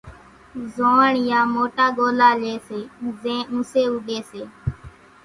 زوئاڻيا موٽا ڳولا لئي سي زين اونسين اُوڏي سي۔